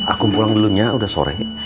aku pulang dulunya udah sore